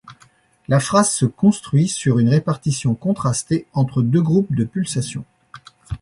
La phrase se construit sur une répartition contrastée entre deux groupes de pulsations.